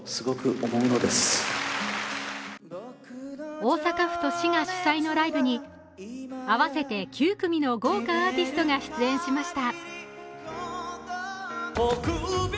大阪府と市が主催のライブに合わせて９組の豪華アーティストが出演しました。